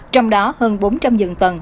trong đó hơn bốn trăm linh giường tầng